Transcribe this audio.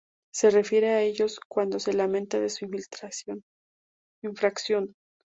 se refiere a ellos cuando se lamenta de su infracción